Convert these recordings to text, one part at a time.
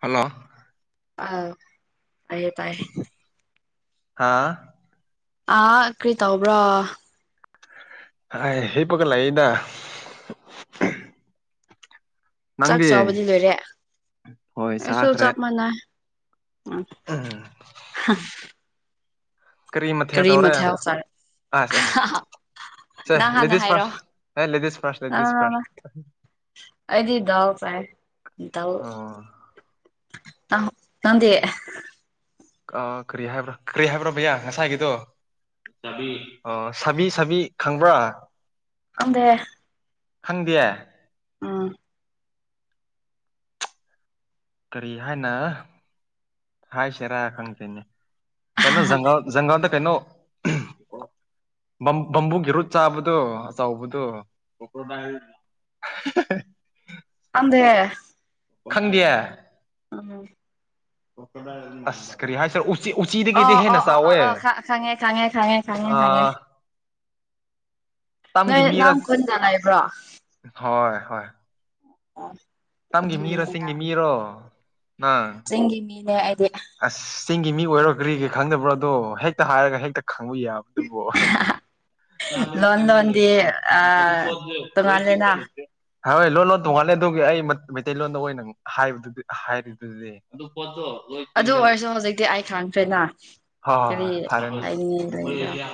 hello ꯑꯥ ꯑꯩꯌꯣ ꯇꯥꯏ ꯍꯥꯥ ꯑꯥ ꯀꯔꯤ ꯇꯧꯕ꯭ꯔꯣ ꯑ ꯍꯦ ꯄꯒ ꯂꯗ ꯆꯥꯛ ꯅꯪꯗꯤ ꯆꯥꯕꯗꯤ ꯂꯣꯏꯔꯦ ꯍꯣꯏ ꯑꯩꯁꯨ ꯆꯥꯈ꯭ꯔꯦ ꯆꯞ ꯃꯥꯟꯅꯩ ꯎꯝ ꯎꯝ ꯀꯔꯤ ꯃꯊꯦ ꯇꯧꯔꯦ ꯃꯊꯦꯜ ꯆꯥꯔꯦ ꯑ ꯁꯦ ꯅꯪ ꯂ ꯍꯥꯟꯅ ꯂꯤꯗꯤꯁ ꯍꯥꯏꯔꯣ ꯐꯔꯥꯁ ꯂꯦꯙ ꯏꯁ ꯐ꯭ꯔꯔꯁ ꯂꯦꯗꯤꯁ ꯐ꯭ꯔꯔꯁ ꯑꯩꯗꯤꯗꯎ ꯄꯥꯏ ꯇꯎ ꯑ ꯅꯗꯤꯦ ꯑ ꯀꯔꯤ ꯍꯥꯏꯕ꯭ꯔꯣ ꯀꯔꯤ ꯍꯥꯏꯕ꯭ꯔꯣ ꯩꯌꯥ ꯉꯁꯥꯏꯒꯤꯗꯣ ꯆꯕꯤ ꯑ ꯁꯥꯕꯤ ꯁꯥꯕꯤ ꯈꯪꯕ꯭ꯔꯥ ꯈꯪꯗꯦ ꯈꯪꯗꯤꯌꯦ ꯑꯥ ꯀꯔꯤ ꯍꯥꯏꯅ ꯍꯥꯏꯁꯤꯔꯥ ꯈꯪꯗꯦꯅꯦ ꯀꯩꯅꯣ ꯖꯪꯒꯜ ꯖꯪꯒꯜꯗ ꯀꯩꯅꯣ ꯕꯝ ꯕꯝꯕꯨꯒꯤ ꯔꯨꯠ ꯆꯥꯕꯗꯣ ꯑꯆꯧꯕꯗꯣ [unintelligible] ꯑꯟꯗꯦ ꯈꯪꯗꯤꯌꯦ ꯎꯝ ꯑꯁ ꯀꯔꯤ ꯍꯥꯏꯁꯤꯔ ꯎꯁ ꯑꯣ ꯑꯣ ꯑꯣ ꯑꯣ ꯑꯣ ꯈꯉꯦ ꯈꯉꯦ ꯈꯉꯦ ꯈꯉꯦ ꯈꯉꯦ ꯇꯝꯒꯤ ꯅꯣꯏ ꯃꯤꯔ ꯅꯍꯝ ꯈꯨꯟꯗ ꯂꯩꯕ꯭ꯔꯣ ꯑꯥ ꯍꯣꯏ ꯍꯣꯏ ꯇꯝꯒꯤ ꯃꯤꯔꯣꯁꯤꯡꯒꯤ ꯃꯤꯔꯣ ꯅꯪ ꯒꯤ ꯃꯃꯤꯅꯦ ꯍꯥꯏꯗꯤ ꯑꯁ ꯆꯤꯡꯒꯤ ꯃꯤ ꯑꯣꯏꯔꯣ ꯀ꯭ꯔꯤꯒꯦ ꯈꯪꯗꯕ꯭ꯔꯣ ꯑꯗꯣ ꯍꯦꯛꯇ ꯍꯥꯏꯔꯒ ꯍꯦꯛꯇ ꯈꯪꯕ ꯌꯥꯕꯗꯨꯕꯣ [unintelligible] ꯂꯣꯍꯤ ꯂꯣꯟ ꯆꯤꯡꯅꯜ ꯂꯣꯟꯗꯤ ꯑꯗꯨꯕꯨ ꯑꯥ ꯄꯣꯠꯑꯣ ꯂꯣ ꯇꯣꯉꯥꯜꯂꯦꯅ ꯆꯤꯡꯅꯜ ꯍꯣꯏ ꯂꯣꯟ ꯂꯣꯟ ꯇꯣꯡꯉꯥꯂꯦ ꯑꯗꯨꯒꯤ ꯑꯩ ꯃꯩꯇꯩꯂꯣꯟꯗ ꯑꯣꯏꯅ ꯍꯥꯏꯕꯗꯨꯗꯤ ꯍꯥꯏꯔꯤꯗꯨꯗꯤ ꯑꯗꯨ ꯄꯠꯇ ꯑꯣꯏꯣꯏ ꯍꯣꯏ ꯑꯗꯨ ꯑꯣꯏꯔꯁꯨ ꯍꯧꯖꯤꯛꯇꯤ ꯑꯩ ꯈꯪꯈ꯭ꯔꯦꯅ ꯀꯔꯤ ꯍꯥꯏꯅꯤꯡꯉꯥꯏ ꯂꯩꯕ꯭ꯔꯥ ꯐꯔꯗꯤꯌꯥ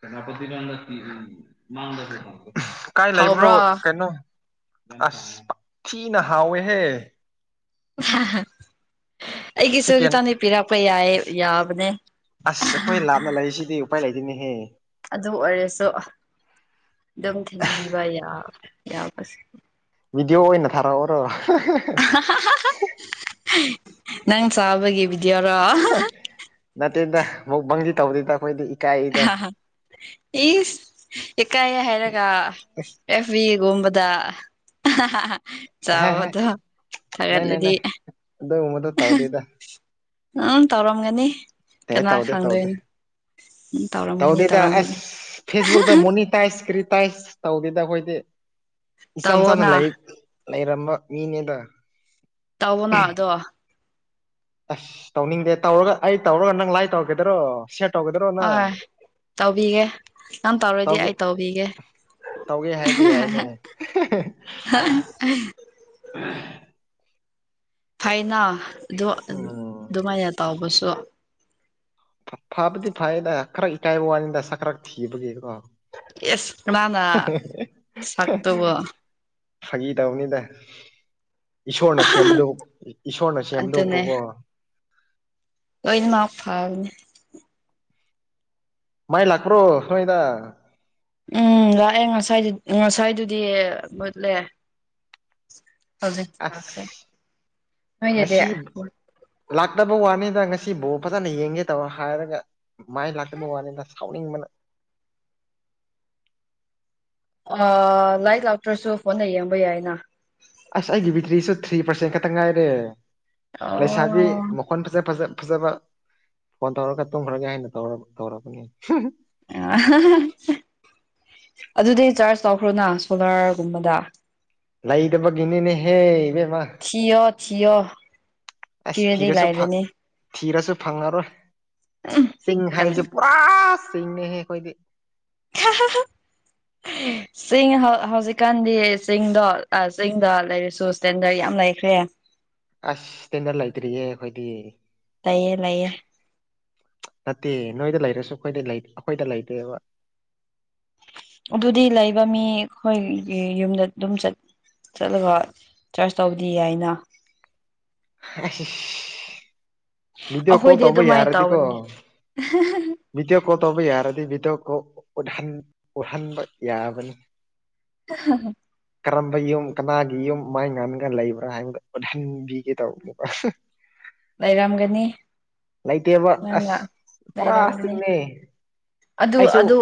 ꯁꯦꯅꯥꯤ ꯀꯥꯏ ꯂꯩꯕ꯭ꯔꯣ ꯍꯥꯎꯕ꯭ꯔꯥ ꯀꯩꯅꯣ ꯑꯁ ꯄꯊꯤꯅ ꯍꯥꯎꯋꯦꯍꯦ ꯑꯩꯒꯤꯁꯨ ꯁꯦꯀꯦꯟ ꯈꯤꯇꯪꯗꯤ ꯄꯤꯔꯛꯄ ꯌꯥꯏ ꯌꯥꯕꯅꯦ ꯑꯁ ꯑꯩꯈꯣꯏ ꯂꯥꯞꯅ ꯂꯩꯔꯤꯁꯤꯗꯤ ꯎꯄꯥꯏ ꯂꯩꯗꯣꯏꯅꯦꯍꯦ ꯑꯗꯨ ꯑꯣꯏꯔꯁꯨ ꯑꯗꯨꯝ ꯊꯤꯟꯕꯤꯕ ꯌꯥꯕꯁꯨ ꯚꯗꯤꯑꯣ ꯑꯣꯏꯅ ꯊꯥꯔꯛꯑꯣꯔꯣ ꯅꯪ ꯆꯕꯒꯤꯦ ꯅꯠꯇꯦꯗ ꯑꯃꯨꯛ ꯕꯪꯁꯤ ꯇꯧꯕꯗꯨꯗ ꯑꯩꯈꯣꯏꯗ ꯍꯥ ꯑꯦ ꯏꯀꯥꯏ ꯍꯥꯏꯔꯒ ꯑꯦꯐꯕꯤꯒꯨꯝꯕꯗ ꯑꯍꯦ ꯆꯥꯎꯕꯗꯣ ꯊꯥꯒꯠꯂꯗꯤ ꯑꯗ ꯎ ꯃꯗ ꯇꯥꯎꯗꯦꯗ ꯎꯪ ꯇꯧꯔꯝꯒꯅꯤ ꯑꯦ ꯀꯅꯥ ꯈꯪꯗꯣꯏꯅꯣ ꯎꯝ ꯇꯧꯔꯝꯒꯅꯤ ꯇꯗꯗ ꯑꯁ ꯇꯧꯔꯝꯒꯅꯤ ꯐꯦꯁꯕꯨꯛꯗ ꯃꯣꯅꯤ ꯇꯥꯏꯁ ꯀꯔꯤ ꯇꯥꯏꯁ ꯇꯧꯗꯦꯗ ꯑꯩꯈꯣꯏꯗꯤ ꯏꯆꯝ ꯆꯝꯅ ꯇꯧꯋꯣꯅ ꯂꯥꯏꯔꯤꯛ ꯂꯩꯔꯝꯕ ꯃꯤꯅꯦꯗ ꯇꯧꯕꯅ ꯑꯗꯣ ꯑꯁ ꯇꯧꯅꯤꯡꯗꯦ ꯇꯧꯔꯒ ꯑꯩ ꯇꯧꯔꯒ ꯅꯪ ꯂꯥꯏ ꯇꯧꯔꯛꯀꯗꯔꯣ ꯁꯦꯠ ꯑ ꯇꯧꯕꯤꯒꯦ ꯅꯪ ꯇꯧꯔꯗꯤ ꯇꯧꯒꯦ ꯑꯩ ꯇꯧꯕꯤꯒꯦ ꯇꯧꯒꯦ ꯍꯥꯏꯗꯤ ꯑꯅꯦ ꯍꯥꯏꯅ ꯑꯗꯨꯣ ꯎꯝ ꯑꯗꯨꯃꯥꯏꯅ ꯇꯧꯕꯁꯨ ꯐꯕꯗꯤ ꯐꯌꯦꯗ ꯈꯔ ꯏꯀꯥꯏꯕ ꯋꯥꯅꯤꯗ ꯁꯛ ꯈꯔꯛ ꯊꯤꯕꯒꯤꯀꯣ ꯌꯦꯁ ꯅꯅ ꯁꯥꯥꯛꯇꯕ ꯐꯥꯒꯤ ꯇꯧꯅꯤꯗ ꯏꯁꯣꯔꯅ ꯁꯦꯝꯕꯗ ꯏꯁꯣꯔꯅ ꯁꯦꯝꯕꯗꯐꯥꯎꯕꯣ ꯇꯣꯏꯅꯃ ꯐꯥꯎꯅꯤ ꯃꯥꯏ ꯂꯥꯛꯄ꯭ꯔꯣ ꯅꯣꯏꯗ ꯎꯝ ꯂꯥꯛꯑꯦ ꯉꯁꯥꯏ ꯉꯁꯥꯏꯗꯨꯗꯤ ꯃꯨꯠꯂꯦ ꯍꯧꯖꯤ ꯂꯥꯛꯈ꯭ꯔꯦ ꯑꯁ ꯉꯁꯤ ꯅꯣꯏꯒꯗꯤꯦ ꯂꯥꯛꯇꯕ ꯋꯥꯅꯤꯗ ꯉꯁꯤꯕꯨꯥꯎ ꯐꯖꯅ ꯌꯦꯡꯒꯦ ꯇꯕ ꯍꯥꯏꯔꯒ ꯃꯥꯏ ꯂꯥꯛꯇꯕ ꯋꯥꯅꯤꯗ ꯁꯥꯎꯅꯤꯡꯕꯅ ꯑ ꯂꯥꯏꯔꯤꯛ ꯂꯥꯛꯇ꯭ꯔꯁꯨ ꯐꯣꯟꯗ ꯌꯦꯡꯕ ꯌꯥꯏꯅ ꯑꯁ ꯑꯩꯒꯤ ꯕꯤꯛꯇ꯭ꯔꯤꯁꯨ ꯊ꯭ꯔꯤ ꯄꯥꯔꯁꯦꯟ ꯈꯛꯇ ꯉꯥꯏꯔꯦ ꯂꯩꯁꯥꯕꯤ ꯑꯣ ꯃꯈꯣꯟ ꯐꯖ ꯐ ꯐꯖꯕ ꯐꯣꯟ ꯇꯧꯔꯒ ꯇꯨꯝꯈ꯭ꯔꯒꯦ ꯍꯥꯏꯅꯧ ꯇꯧꯔꯕꯅꯤ ꯑꯗꯨꯗꯤ ꯆꯥꯔꯖ ꯇꯧꯈ꯭ꯔꯣꯅ ꯁꯣꯂꯥꯔꯒꯨꯝꯕꯗ ꯂꯩꯗꯕꯒꯤꯅꯤꯅꯦꯍꯦ ꯏꯕꯦꯝꯃ ꯊꯌ ꯊꯌ ꯑꯁ ꯊꯤꯔꯗꯩ ꯊꯤꯔꯁꯨ ꯐꯪ ꯂꯥꯛꯔꯅꯦ ꯊꯤꯔꯁꯨ ꯐꯪꯉꯔꯣꯏ ꯆꯤꯡ ꯍꯥꯏꯕꯕꯁꯤꯦ ꯄꯨꯔꯥ ꯆꯤꯡꯅꯤꯍꯦ ꯑꯩꯈꯣꯏꯗꯤ ꯈ ꯆꯤꯡ ꯍꯧꯖꯤꯛꯀꯥꯟꯗꯤ ꯆꯤꯡꯗꯣ ꯆꯤꯡꯗ ꯂꯩꯔꯁꯨ ꯁꯇꯦꯟꯗꯔꯠ ꯌꯥꯝ ꯂꯩꯈ꯭ꯔꯦ [unintelligible] ꯑꯁ ꯁꯤꯇꯦꯟꯗ ꯂꯩꯇ꯭ꯔꯤꯌꯦ ꯑꯩꯈꯣꯏꯗꯤ ꯂꯩꯌꯦ ꯂꯩꯌꯦ ꯅꯠꯇꯦ ꯅꯣꯏꯗ ꯂꯩꯔꯁꯨ ꯑꯩꯈꯣꯏꯗ ꯑꯩꯈꯣꯏꯗ ꯂꯩꯗꯣꯏꯦꯕ ꯑꯗꯨꯗꯤ ꯂꯩꯕ ꯃꯤ ꯑꯩꯈꯣꯏ ꯌꯨꯝꯗ ꯑꯗꯨꯝ ꯆꯠ ꯆꯠꯂꯒ ꯆꯥꯔꯖ ꯇꯧꯕꯗꯤ ꯌꯥꯏꯅ ꯑ ꯃꯤꯗꯤ ꯑꯣ ꯀꯣ ꯑꯩꯈꯣꯏꯗꯤ ꯇꯧꯕ ꯑꯗꯨꯃꯥꯏꯅ ꯌꯥꯔꯗꯤꯀꯣ ꯇꯧꯕꯅꯤ ꯚꯤꯗꯤꯑꯣ ꯀꯣꯜ ꯇꯧꯕ ꯌꯥꯔꯗꯤ ꯚꯤꯗꯤꯑꯣ ꯀꯣꯜ ꯎꯠꯍꯟꯕ ꯌꯥꯕꯅꯤ [unintelligible] ꯀꯔꯝꯕ ꯌꯨꯝ ꯀꯅꯥꯒꯤ ꯌꯨꯝ ꯃꯥꯏ ꯉꯥꯥꯟꯂꯒ ꯂꯩꯕ꯭ꯔꯥ ꯍꯥꯏꯕꯗ ꯎꯠꯍꯟꯕꯤꯒꯦ ꯇꯧꯕꯅꯦꯕ ꯑꯁ ꯂꯩꯔꯝꯒꯅꯤ ꯂꯩꯇꯦꯕ ꯅꯪꯅ ꯑꯁ ꯂꯩꯔꯝꯒꯅꯤ ꯄꯨꯔꯥꯇꯤꯛꯅꯦ ꯑꯗꯨ ꯑꯗ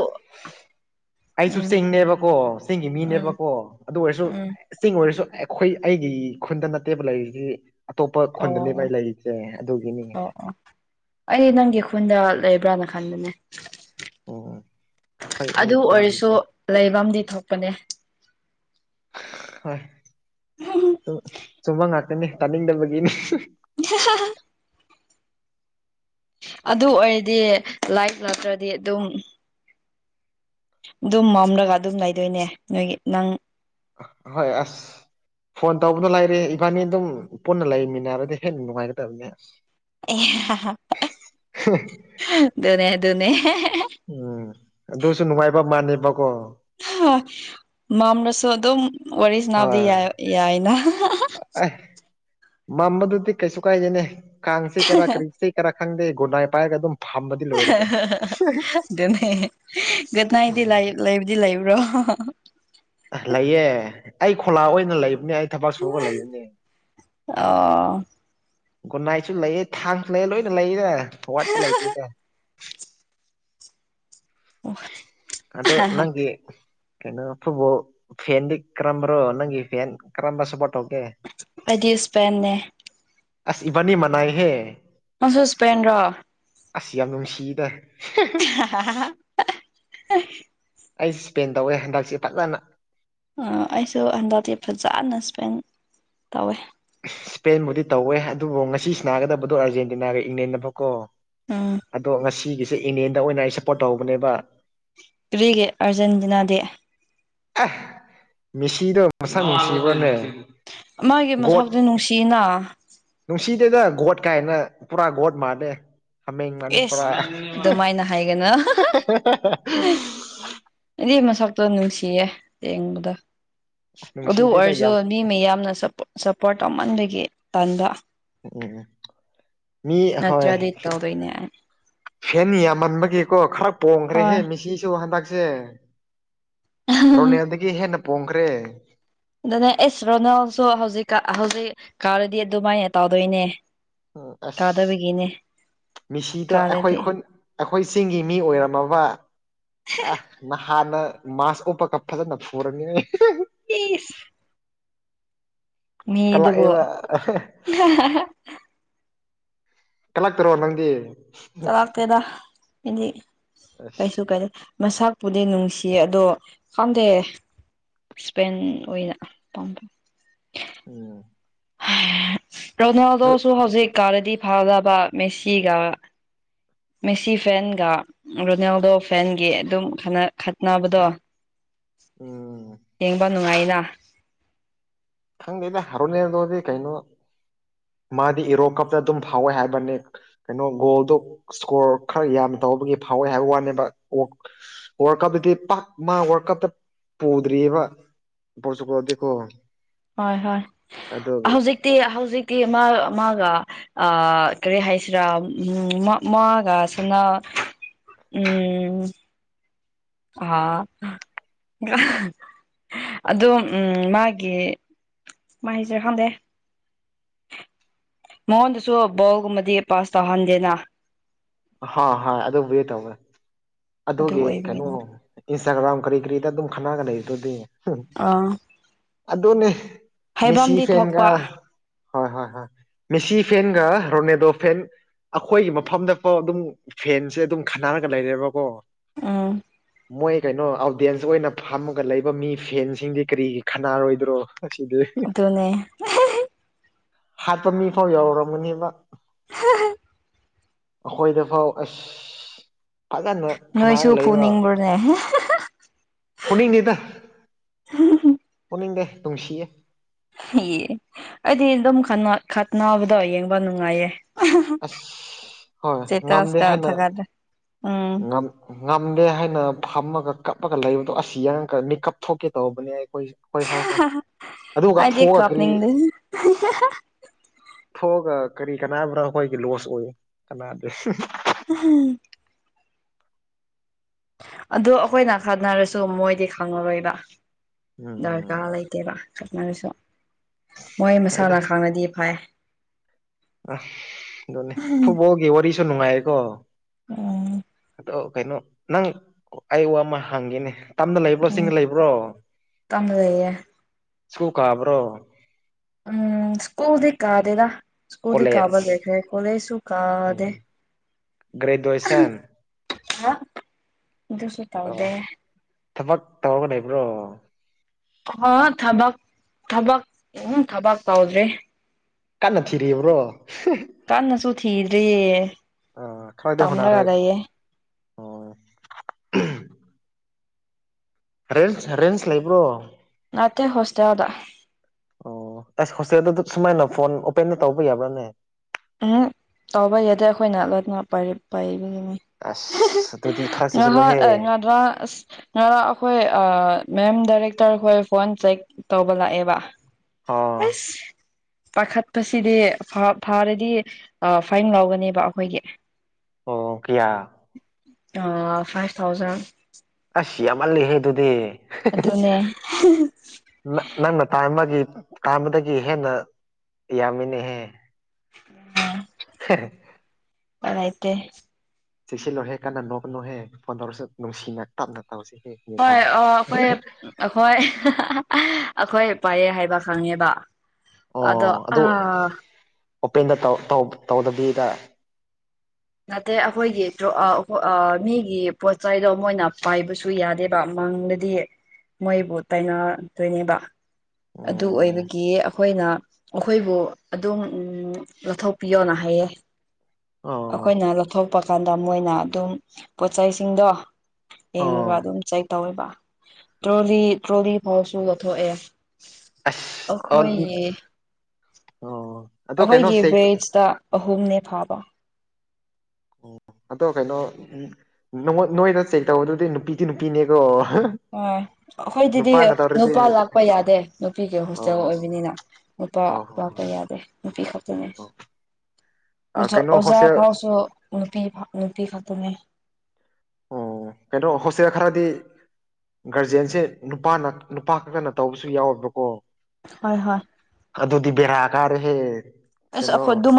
ꯑꯩꯁꯨ ꯆꯤꯡꯅꯦꯕꯀꯣ ꯆꯤꯡꯒꯤ ꯎꯝ ꯃꯤꯅꯦꯕꯀꯣ ꯑꯗꯨ ꯑꯣꯏꯔꯁꯨ ꯎꯝ ꯆꯤꯡ ꯑꯣꯏꯔꯁꯨ ꯑꯩꯈꯣꯏ ꯑꯩꯒꯤ ꯈꯨꯟꯗ ꯅꯠꯇꯦꯕ ꯂꯩꯔꯤꯁꯤ ꯑꯇꯣꯞꯄ ꯑꯣ ꯈꯨꯟꯗꯅꯦꯕ ꯑꯣ ꯑꯩ ꯂꯩꯔꯤꯁꯦ ꯑꯗꯨꯒꯤꯅꯤ ꯑꯩꯗꯤ ꯅꯪꯒꯤ ꯈꯨꯟꯗ ꯂꯩꯕ꯭ꯔꯅ ꯈꯟꯕꯅꯦ ꯎꯝ ꯑꯩꯈꯣꯏ ꯑꯩ ꯑꯗꯨ ꯈꯨꯟ ꯅꯠꯇꯦ ꯑꯣꯏꯔꯁꯨ ꯂꯩꯐꯝꯗꯤ ꯊꯣꯛꯄꯅꯦ ꯍꯣꯏ ꯆꯨꯝꯕ ꯉꯥꯛꯇꯅꯤ ꯇꯥꯅꯤꯡꯗꯕꯒꯤꯅꯤ [unintelligible] ꯑꯗꯨ ꯑꯣꯏꯔꯗꯤ ꯂꯥꯏꯛ ꯅꯠꯇ꯭ꯔꯗꯤ ꯑꯗꯨꯝ ꯑꯗꯨꯝ ꯃꯝꯂꯒ ꯑꯗꯨꯝ ꯂꯩꯗꯣꯏꯅꯦ ꯅꯣꯏꯒꯤ ꯅꯪ ꯍꯣꯏ ꯑꯁ ꯐꯣꯟ ꯇꯧꯕꯗꯨ ꯂꯩꯔꯦ ꯏꯕꯥꯅꯤ ꯑꯗꯨꯝ ꯄꯨꯟꯅ ꯂꯩꯃꯤꯟꯅꯔꯗꯤ ꯍꯦꯟꯅ ꯅꯨꯡꯉꯥꯏꯒꯗꯕꯅꯦ ꯑꯁ ꯣꯅꯦ ꯣꯅꯦ ꯎꯝ ꯑꯗꯨꯁꯨ ꯅꯨꯡꯉꯥꯏꯕ ꯃꯥꯥꯟꯅꯦꯕꯀꯣ ꯍ ꯃꯥꯝꯅꯁꯨ ꯑꯗꯨꯝ ꯋꯥꯔꯤꯁꯤꯅꯥꯕꯨꯗꯤ ꯌꯥꯏꯅ ꯑꯩ ꯃꯝꯕꯗꯨꯗꯤ ꯀꯩꯁꯨ ꯀꯥꯏꯗꯦꯅꯦ ꯀꯥꯡꯆꯤꯛꯀꯦꯔꯥ ꯀꯔꯤꯆꯤꯛ ꯔ ꯈꯪꯗꯦ ꯒꯨꯗ ꯅꯥꯢꯇ ꯄꯥꯢꯔꯒ ꯑꯗꯨꯝ ꯐꯝꯕꯗꯤ ꯂꯣꯏꯔꯦ ꯀꯩꯅꯣ ꯑꯗꯨꯅꯦ ꯒꯨꯗ ꯅꯥꯏꯠꯗꯤ ꯂꯩꯕꯨꯗꯤ ꯂꯩꯕ꯭ꯔꯣ ꯑ ꯂꯩꯌꯦ ꯑꯩ ꯈꯣꯂꯥ ꯑꯣꯏꯅ ꯂꯩꯕꯅꯦ ꯑꯩ ꯊꯕꯛ ꯁꯨꯔꯒ ꯂꯩꯕꯅꯦ ꯑꯥ ꯒꯨꯟꯅꯥꯏꯁꯨ ꯂꯩꯌꯦ ꯊꯥꯡꯁꯨ ꯂꯩꯦ ꯂꯣꯏꯅ ꯂꯩꯌꯦꯗ ꯊꯧꯋꯥꯠꯄ ꯂꯩꯇꯦꯗ ꯑꯗꯣ ꯅꯪꯒꯤ ꯀꯩꯅꯣ ꯐꯨꯕꯣ ꯐꯦꯟꯗꯤ ꯀꯔꯝꯕꯔꯣ ꯅꯪꯒꯤ ꯐꯦꯟ ꯀꯔꯝꯕ ꯁꯄꯣꯔꯠ ꯇꯧꯒꯦ ꯑꯩꯗꯤ ꯏꯁꯄꯦꯟꯅꯦ ꯑꯁ ꯏꯕꯅꯤ ꯃꯅꯥꯏꯍꯦ ꯃꯁ ꯄꯦꯟ꯭ꯔꯥ ꯑꯁ ꯌꯥꯝ ꯅꯨꯡꯁꯤꯗ [unintelligible] ꯑꯩ ꯁ꯭ꯄꯦꯟ ꯇꯧꯋꯦ ꯍꯟꯗꯛꯁꯦ ꯐꯖꯅ ꯑꯩꯁꯨ ꯍꯟꯗꯛꯇꯤ ꯐꯖꯅ ꯏꯁꯄꯦꯟ ꯇꯧꯋꯦ ꯁ꯭ꯄꯦꯟꯕꯨꯗꯤ ꯇꯧꯋꯦ ꯑꯗꯨꯕꯨ ꯉꯁꯤꯅꯥꯒꯗꯕꯗꯣ ꯑꯥꯔꯖꯦꯟꯇꯤꯅꯥꯒ ꯏꯪꯂꯦꯟꯟꯅꯐꯥꯎꯀꯣ ꯎꯝ ꯑꯗꯣ ꯉꯁꯤꯒꯤꯁꯦ ꯏꯪꯂꯦꯟꯗ ꯑꯣꯏꯅ ꯑꯩ ꯁꯞꯄꯣꯔꯠ ꯇꯧꯕꯅꯦꯕ ꯀꯔꯤꯒꯤ ꯑꯥꯔꯖꯦꯟꯇꯤꯅꯥꯗꯤ ꯑꯦ ꯃꯦꯁꯤꯗꯣ ꯃꯁꯛ ꯅꯨꯡꯁꯤꯕ꯭ꯔꯅꯦ ꯃꯥꯒꯤ ꯒꯣꯠ ꯃꯁꯛꯇꯣ ꯅꯨꯡꯁꯤꯅ ꯅꯨꯡꯁꯤꯗꯦꯗ ꯒꯣꯠ ꯀꯥꯏꯅ ꯄꯨꯔꯥ ꯒꯣꯠ ꯃꯥꯜꯂꯦ ꯍꯥꯃꯦꯡ ꯃꯅꯤ ꯑꯦꯁ ꯄꯨꯔꯥ ꯑꯗꯨꯃꯥꯏꯅ ꯍꯥꯏꯒꯅꯨ ꯏꯗꯤ ꯃꯁꯛꯇꯣ ꯅꯨꯡꯁꯤꯌꯦ ꯌꯦꯡꯕꯗ ꯑꯗꯨ ꯅꯨꯡꯁꯤꯗꯦꯗ ꯌꯥꯝ ꯑꯔꯖꯨꯟ ꯃꯤ ꯃꯌꯥꯝꯅ ꯁꯞꯄꯣꯔꯠ ꯁꯞꯄꯣꯔꯠ ꯇꯧꯃꯟꯕꯒꯤ ꯇꯟꯕ ꯎꯝ ꯃꯤ ꯍꯣꯢ ꯅꯠꯇ꯭ꯔꯗꯤ ꯇꯧꯗꯣꯏꯅꯦ ꯐꯦꯟ ꯌꯥꯝꯃꯟꯕꯒꯤꯀꯣ ꯈꯔ ꯄꯣꯡꯈ꯭ꯔꯦꯍꯦ ꯍꯣꯏ ꯃꯤꯁꯤꯁꯨ ꯍꯟꯗꯛꯁꯦ ꯔꯣꯅꯤꯌꯥꯗꯒꯤ ꯍꯦꯟꯅ ꯄꯣꯡꯈ꯭ꯔꯦ ꯑꯗꯨꯅꯦ ꯑꯦꯁ ꯔꯣꯅꯥꯜꯁꯨ ꯍꯧꯖꯤꯛ ꯍꯧꯖꯤꯛ ꯀꯥꯔꯗꯤ ꯑꯗꯨꯃꯥꯏꯅ ꯇꯧꯗꯣꯏꯅꯦ ꯎ ꯑꯁ ꯀꯥꯗꯕꯒꯤꯅꯦ ꯃꯤꯁꯤꯗ ꯑꯩꯈꯣꯏ ꯀꯥꯔꯗꯤ ꯈꯨꯟ ꯑꯈꯣꯏ ꯆꯤꯡꯒꯤ ꯃꯤ ꯑꯣꯏꯔꯝꯃꯕ ꯑ ꯅꯍ ꯍꯥꯟꯅ ꯃꯥꯁ ꯎꯞꯄꯒꯞ ꯐꯖꯅ ꯐꯨꯔꯅꯤ ꯀꯤꯁ ꯃꯤꯗꯕꯨꯣ ꯀꯂꯛꯑꯦꯕ ꯀꯜꯂꯛꯇꯔꯣ ꯅꯪꯗꯤ ꯆꯂꯥꯛ ꯇꯗꯗꯤ ꯑꯁ ꯀꯩꯁꯨ ꯀꯦ ꯃꯁꯥꯄꯨꯗꯤ ꯅꯨꯡꯁꯤꯌꯦ ꯑꯗꯣ ꯈꯪꯗꯦ ꯏꯁꯄꯦꯟ ꯑꯣꯏꯅ ꯄꯥꯝꯕꯝ ꯎꯝ ꯅꯣꯏ ꯔꯣꯅꯥꯜꯗꯣꯁꯨ ꯍꯧꯖꯤꯛ ꯀꯔꯗꯤ ꯐꯒꯕ ꯃꯦꯁꯤꯒ ꯃꯦꯁꯤ ꯐꯦꯟꯒ ꯔꯣꯅꯥꯜꯗꯣ ꯐꯦꯟꯒꯤ ꯑꯗꯨꯝ ꯈꯠꯅ ꯈꯠꯅꯕꯗꯣ [inaudible] ꯑꯣꯝ ꯌꯦꯡꯕ ꯅꯨꯡꯉꯥꯏꯅ ꯈꯪꯗꯦꯗ ꯔꯣꯅꯦꯜꯗꯣꯗꯤ ꯀꯩꯅꯣ ꯃꯥꯗꯤ ꯏꯔꯣ ꯀꯞꯇ ꯑꯗꯨꯝ ꯐꯥꯎꯋꯦ ꯍꯥꯏꯕꯅꯦꯛ ꯀꯩꯅꯣ ꯒꯣꯜꯗꯣ ꯏꯁꯀꯣꯔ ꯈꯔ ꯌꯥꯝ ꯇꯧꯕꯒꯤ ꯐꯥꯎꯋꯦ ꯍꯥꯏꯕ ꯋꯥꯅꯦꯕ ꯑꯣꯛ ꯋꯥꯔ ꯀꯞꯇꯗꯤ ꯄꯥꯛ ꯃꯥ ꯋꯥꯔꯀꯞꯇ ꯄꯨꯗ꯭ꯔꯤꯌꯦꯕ ꯑꯣꯄꯣꯔꯆꯨꯀꯔꯣꯗꯤ ꯀꯣ ꯍꯣꯏ ꯍꯣꯏ ꯑꯗꯣꯒꯦ ꯍꯧꯖꯤꯛ ꯍꯧꯖꯤꯛꯇꯤ ꯃꯥ ꯃꯥꯒ ꯑ ꯀꯔꯤ ꯍꯥꯏꯁꯤꯔꯥ ꯎꯝ ꯃ ꯃꯥꯒꯁꯅ ꯎꯝ ꯑ ꯑꯗꯣ ꯎꯝ ꯃꯥꯒꯤ ꯃꯥꯥꯏꯁꯦ ꯍꯪꯗꯦ ꯃꯉꯣꯟꯗꯁꯨ ꯕꯣꯜꯒꯨꯝꯕꯗꯤ ꯄꯥꯁ ꯇꯧꯍꯟꯗꯦꯅ ꯍꯥ ꯍꯥꯏ ꯑꯗꯨꯕꯨꯗꯤ ꯇꯧꯒꯔꯦ ꯑꯗꯨ ꯑꯗꯨꯒꯤ ꯀꯩꯅꯣ ꯑꯣꯏꯕꯒꯤꯅꯤ ꯏꯟꯁꯇꯥꯒ꯭ꯔꯥꯝ ꯀꯔꯤ ꯀꯔꯤꯗ ꯑꯗꯨꯝ ꯈꯟꯅꯒ ꯂꯩꯗꯨꯗꯤ ꯑꯥ ꯑꯗꯨꯅꯦ ꯃꯦꯁꯤ ꯍꯥꯏꯐꯝꯗꯤ ꯐꯦꯟꯒ ꯊꯣꯛꯄ ꯍꯣꯏ ꯍꯣꯏ ꯍꯣꯏ ꯃꯦꯁꯤ ꯐꯦꯟꯒ ꯔꯣꯅꯦꯗꯣ ꯐꯦꯟ ꯑꯩꯈꯣꯏꯒꯤ ꯃꯐꯝꯗ ꯀꯣ ꯑꯗꯨꯝ ꯐꯦꯟꯁꯦ ꯑꯗꯨꯝ ꯈꯠꯅꯔꯒ ꯂꯩꯔꯦꯕꯀꯣ ꯎꯝ ꯃꯣꯏ ꯀꯩꯅꯣ ꯑꯗꯦꯟꯁ ꯑꯣꯏꯅ ꯐꯝꯃꯒ ꯂꯩꯕ ꯃꯤ ꯐꯦꯟꯁꯤꯡꯗꯤ ꯀꯔꯤꯒꯤ ꯈꯥꯟꯅꯔꯣꯏꯗ꯭ꯔꯣ ꯑꯁꯤꯗꯤ ꯑꯗꯨꯅꯦ ꯍꯥꯄ ꯃꯤꯐꯥꯎ ꯌꯥꯎꯔꯝꯃꯅꯤꯅꯦꯕ ꯍ ꯍ ꯑꯈꯣꯏꯗ ꯐꯥꯎ ꯑꯁ ꯐꯖꯅ ꯅꯣꯏꯁꯨ ꯈꯠꯅꯔꯒ ꯂꯩꯕ [inaudible] ꯐꯨꯟꯅꯤꯡꯅꯦꯗ ꯐꯨꯟꯅꯤꯡꯗꯦ ꯅꯨꯡꯁꯤꯌꯦ ꯑꯩ ꯑꯩꯗꯤ ꯑꯗꯨꯝ ꯈꯠꯅꯕꯗꯣ ꯌꯦꯡꯕ ꯅꯨꯡꯉꯥꯏꯌꯦ ꯑꯁ ꯍꯣꯏ ꯁꯤꯇ ꯑꯁꯀ ꯊꯒꯗꯦ ꯎꯝ ꯑꯝ ꯉꯝꯗꯦ ꯍꯥꯏꯅ ꯐꯝꯃꯒ ꯀꯞꯂꯒ ꯂꯩꯕꯗꯣ ꯑꯁꯤ ꯌꯦꯡꯉꯀ ꯃꯤꯀꯞ ꯊꯣꯛꯀꯦ ꯇꯧꯕꯅꯦ ꯑꯈꯣꯏꯁꯤ ꯍꯣꯏ ꯍꯥꯎ ꯍꯥꯎ ꯑꯗꯨꯒ ꯑꯩꯗꯤ ꯀꯥꯞꯊꯣꯛꯑꯒ ꯀꯔꯤ ꯀꯥꯞꯅꯤꯡꯗꯦ ꯊꯣꯛꯑꯒ ꯀꯔꯤ ꯀꯅꯥꯕ꯭ꯔꯥ ꯑꯩꯈꯣꯏꯒꯤ ꯂꯣꯁ ꯑꯣꯏ ꯀꯅꯥꯗ ꯎꯝ ꯑꯣ ꯑꯩꯈꯣꯏꯅ ꯈꯟꯅꯔꯁꯨ ꯃꯣꯏꯗꯤ ꯈꯪꯉꯔꯣꯏꯕ ꯎꯝ ꯗꯔꯀꯥꯔ ꯂꯩꯇ ꯇꯦꯕ ꯈꯞꯅꯔꯁꯨ ꯃꯣꯏ ꯍꯣꯏꯗ ꯃꯁꯥꯅ ꯈꯥꯡꯅꯗꯤ ꯐꯩ ꯑꯝ ꯑꯗꯨꯅꯦ ꯐꯨꯕꯣꯜꯒꯤ ꯋꯥꯔꯤꯁꯨ ꯅꯨꯡꯉꯥꯏꯌꯦꯀꯣ ꯎꯝ ꯑ ꯀꯩꯅꯣ ꯅꯪ ꯑꯩ ꯋꯥ ꯑꯃ ꯍꯪꯒꯦꯅꯦ ꯇꯝꯗ ꯂꯩꯕ꯭ꯔꯣ ꯎꯝ ꯆꯤꯡꯗ ꯂꯩꯕ꯭ꯔꯣ ꯇꯝ ꯂꯩꯌꯦ ꯁ꯭ꯀꯨꯜ ꯀꯥꯕ꯭ꯔꯣ ꯎꯝ ꯁ꯭ꯀꯨꯜꯗꯤ ꯀꯥꯗꯦꯗ ꯁꯀꯨꯜꯗꯤ ꯀꯥꯕ ꯀꯣꯂꯦꯖ ꯂꯩꯈ꯭ꯔꯦ ꯀꯣꯂꯦꯖꯁꯨꯨ ꯀꯥꯗꯦ ꯒ꯭ꯔꯦꯗꯨꯌꯦꯁꯟ ꯑꯗꯨꯨꯁꯨ ꯑꯣ ꯇꯧꯗꯦ ꯊꯕꯛ ꯇꯧꯔꯒ ꯂꯩꯕ꯭ꯔꯣ ꯍ ꯊꯕꯛ ꯊꯕꯛ ꯎꯝ ꯊꯕꯛ ꯇꯧꯗ꯭ꯔꯤ ꯀꯟꯅ ꯊꯤꯔꯤꯕ꯭ꯔꯣ ꯀꯟꯅꯁꯨ ꯊꯤꯗ꯭ꯔꯤꯌꯦ ꯑ ꯈꯔꯗꯤ ꯇꯝꯔꯒ ꯍꯣꯠꯅꯔꯦ ꯂꯩꯌꯦ ꯔꯦꯟꯁ ꯔꯦꯟꯁ ꯂꯩꯕ꯭ꯔꯣ ꯅꯠꯇꯦ ꯍꯣꯁꯇꯦꯜꯗ ꯑꯣ ꯑꯁ ꯍꯣꯁꯇꯦꯜꯗꯨꯗ ꯁꯨꯃꯥꯏꯅ ꯐꯣꯟ ꯑꯣꯄꯦꯟꯗ ꯇꯧꯕ ꯌꯥꯕ꯭ꯔꯥꯅꯦ ꯎꯝ ꯇꯧꯕ ꯌꯥꯗ꯭ꯔꯦ ꯑꯈꯣꯏꯅ ꯂꯣꯏꯅ ꯄꯥꯏꯌꯦ ꯄꯥꯢꯌꯦ ꯑꯁ ꯑꯗꯨꯗꯤ ꯈꯔ ꯉꯍꯥꯛ ꯆꯦꯛꯁꯤꯜꯂꯣꯍꯦ ꯉꯗ꯭ꯔ ꯉꯔꯥꯡ ꯑꯈꯣꯏ ꯃꯦꯝ ꯗꯥꯏꯔꯦꯛꯇꯔꯈꯣꯏ ꯐꯣꯟ ꯆꯦꯛ ꯇꯧꯕ ꯂꯥꯛꯑꯦꯕ ꯁ ꯑꯣ ꯄꯈꯠ ꯄꯁꯤ ꯗ ꯐ ꯐꯥꯎꯔꯦ ꯗꯤ ꯐꯥꯏꯝ ꯂꯧꯒꯅꯦꯕ ꯑꯩꯈꯣꯏꯒꯤ ꯑꯣ ꯀꯌꯥ ꯑ ꯐꯥꯏꯚ ꯊꯥꯎꯖꯟ ꯑꯁ ꯌꯥꯝꯃꯜꯂꯤꯍꯦ ꯑꯗꯨꯗꯤ ꯑꯗꯨꯅꯦ ꯅꯪꯅ ꯇꯥꯏꯝ ꯑꯃꯒꯤ ꯇꯥꯏꯃꯗꯒꯤ ꯍꯦꯟꯅ ꯌꯥꯝꯃꯤꯅꯦꯍꯦ ꯂꯩꯇꯦ ꯆꯦꯛꯁꯤꯜꯂꯨꯔꯔꯍꯦ ꯀꯟꯅ ꯅꯣꯛꯀꯅꯣ ꯍꯦ ꯐꯣꯟ ꯇꯧꯔꯁꯨ ꯅꯨꯡꯁꯤꯅ ꯇꯞꯅ ꯇꯧꯁꯤ ꯍꯦ ꯍꯣꯏ ꯑꯣ ꯑꯩꯈꯣꯏ ꯑꯩꯈꯣꯏ ꯑꯩꯈꯣꯏ ꯄꯥꯏꯔꯦ ꯍꯥꯏꯕ ꯈꯪꯉꯦꯕ ꯑꯗꯣ ꯑꯣ ꯑꯗꯨ ꯑ ꯑꯣꯄꯦꯟꯗ ꯇꯧꯗꯕꯤꯗ ꯅꯠꯇꯦ ꯑꯩꯈꯣꯏꯒꯤ ꯃꯤꯒꯤ ꯄꯣꯠꯆ ꯆꯩꯗꯣ ꯃꯣꯏꯅ ꯄꯥꯏꯕꯁꯨ ꯁꯨ ꯌꯥꯗꯦꯕ ꯃꯥꯡꯗꯗꯤ ꯃꯣꯏꯕꯨ ꯇꯥꯏꯅꯗꯣꯏꯅꯦꯕ ꯑꯗꯨ ꯎꯝ ꯑꯣꯏꯕꯒꯤ ꯑꯩꯈ ꯑꯩꯈꯣꯏꯅ ꯑꯩꯈꯣꯏꯕꯨ ꯑꯗꯨꯝ ꯂꯧꯊꯣꯛꯄꯤꯌꯣꯅ ꯍꯥꯏꯌꯦꯦ ꯑꯣ ꯑꯩꯈꯣꯏꯅ ꯂꯧꯊꯣꯛꯄ ꯀꯥꯟꯗ ꯃꯣꯏꯅ ꯑꯗꯨꯝ ꯄꯣꯠꯩꯁꯤꯡꯗꯣ ꯌꯦꯡꯒ ꯑꯣ ꯑꯗꯨꯝ ꯆꯩꯛ ꯇꯧꯋꯦꯕ ꯇ꯭ꯔꯣꯂꯤ ꯇ꯭ꯔꯣꯂꯤ ꯐꯥꯎꯁꯨ ꯂꯧꯊꯣꯛꯑꯦ ꯑꯁ ꯑꯣ ꯑꯩꯈꯣꯏꯒꯤ ꯑꯗꯣ ꯀꯩꯅꯣ ꯑꯩꯈꯣꯏꯒꯤ ꯆꯦꯛ ꯕꯦꯖꯇ ꯑꯍꯨꯝꯅꯦ ꯐꯥꯕ ꯑꯗꯣ ꯀꯩꯅꯣ ꯅꯣꯏꯗ ꯆꯦꯛ ꯇꯧꯕꯗꯨꯗꯤ ꯅꯨꯄꯤꯗꯤ ꯅꯨꯄꯤꯅꯦꯀꯣ ꯑꯣ ꯑꯩꯈꯣꯏꯗꯗꯤ ꯅꯨꯄꯥꯅ ꯇꯧꯔꯗꯤ ꯅꯨꯄꯥ ꯂꯥꯛꯄ ꯌꯥꯗꯦ ꯅꯨꯄꯤꯒꯤ ꯍꯣꯁꯇꯦꯜ ꯑꯣ ꯑꯣꯏꯕꯅꯤꯅ ꯅꯨꯄꯥ ꯑꯣ ꯍꯣ ꯍꯣ ꯂꯥꯛꯄ ꯌꯥꯗꯦ ꯅꯨꯄꯤ ꯈꯛꯇꯅꯦ ꯑꯣ ꯀꯩꯅꯣ ꯑꯣꯖꯥ ꯍꯣꯁꯇꯦꯜ ꯐꯥꯎꯁꯨ ꯅꯨꯄꯤ ꯅꯨꯄꯤ ꯐꯇꯃꯦ ꯑꯣ ꯀꯩꯅꯣ ꯍꯣꯁꯛ ꯈꯔꯗꯤ ꯒꯥꯔꯖꯦꯟꯁꯦ ꯅꯨꯄꯥꯅ ꯅꯨꯄꯥ ꯈꯛꯇꯅ ꯇꯧꯕꯁꯨ ꯌꯥꯎꯋꯦꯕꯀꯣ ꯍꯣꯏ ꯍꯣꯏ ꯑꯗꯨꯗꯤ ꯕꯦꯔꯥ ꯀꯥꯔꯦꯍꯦ ꯑꯁ ꯀꯩꯅꯣ ꯑꯩꯈꯣꯏ ꯑꯗꯨꯃ